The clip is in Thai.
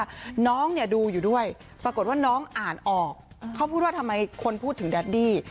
เนี่ยคุณซาร่าน้องดูอยู่ด้วยปรากฏว่าน้องอ่านออกเขาพูดว่าทำไมคนพูดถึงเดดดี้